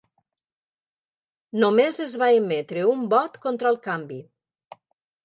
Només es va emetre un vot contra el canvi.